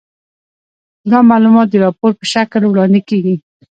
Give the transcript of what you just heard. دا معلومات د راپور په شکل وړاندې کیږي.